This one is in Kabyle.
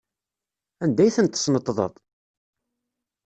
Anda ay tent-tesneṭḍeḍ?